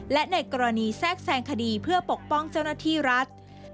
และในกรณีแทรกแซงคดีเพื่อปกป้องเจ้าหน้าที่รัฐ